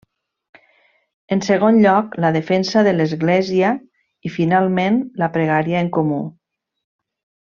En segon lloc, la defensa de l'Església i, finalment, la pregària en comú.